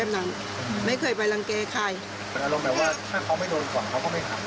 อารมณ์หมายว่าถ้าเขาไม่โดนตรงนั้นเขาก็ไม่ทำ